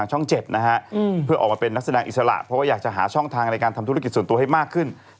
จักรจันทร์พวกมันอาจจะหาช่องทางทำธุรกิจส่วนตัวให้มากขึ้น